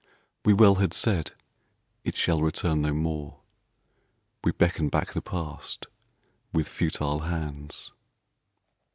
We well had said: "It shall return no more. We beckon back the past with futile hands."